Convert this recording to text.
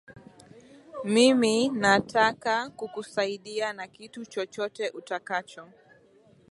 Mimi nataka kukusaidia na kitu chochote utakacho.